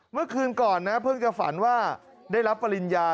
เมื่อคืนก่อนนะเพิ่งจะฝันว่าได้รับปริญญา